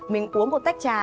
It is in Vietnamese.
mình uống một tách trà